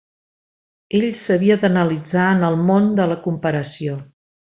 Ell s'havia d'analitzar en el món de la comparació.